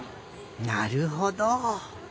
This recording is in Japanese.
なるほど。